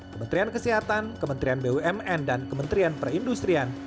kementerian kesehatan kementerian bumn dan kementerian perindustrian